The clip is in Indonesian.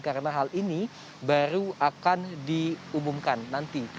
karena hal ini baru akan diumumkan nanti